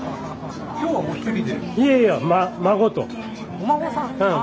お孫さん？